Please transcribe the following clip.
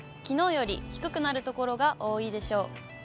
きのうより低くなる所が多いでしょう。